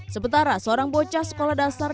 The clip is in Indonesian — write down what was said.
sementara seorang bocah sekolah dasar